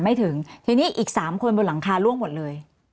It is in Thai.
ไม่ถึงทีนี้อีก๓คนบนหลังคาล่วงหมดเลย